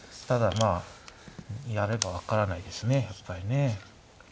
ただまあやれば分からないですねやっぱりね。